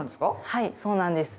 はいそうなんです。